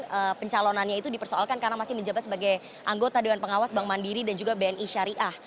karena pencalonannya itu dipersoalkan karena masih menjabat sebagai anggota dewan pengawas bank mandiri dan juga bni syariah